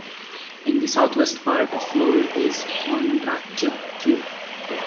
In the southwest part of the floor is Kondratyuk Q.